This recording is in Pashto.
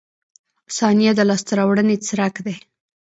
• ثانیه د لاسته راوړنې څرک دی.